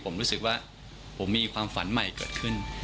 ผมรู้สึกว่าผมมีความฝันใหม่เกิดขึ้น